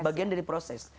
bagian dari proses